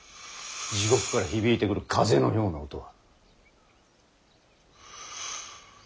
地獄から響いてくる風のような音は。